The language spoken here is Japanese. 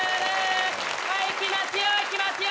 はいいきますよいきますよ。